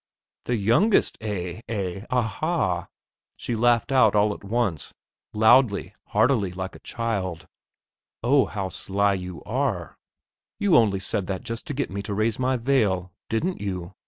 "The youngest, eh? eh? a a ha!" she laughed out all at once, loudly, heartily, like a child. "Oh, how sly you are; you only said that just to get me to raise my veil, didn't you?